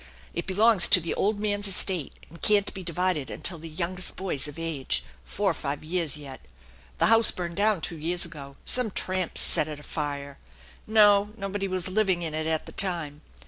It belongs to the old man's estate, and can't be divided until the youngest boy's of age, four 'r five years yet. The house burned down two years ago. Some tramps set it afire. No, nobody was living in it at tho time.